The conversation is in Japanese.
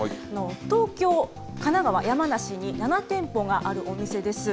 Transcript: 東京、神奈川、山梨に７店舗があるお店です。